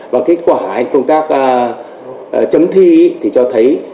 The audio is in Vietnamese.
và kết quả công tác chấm thi thì cho thấy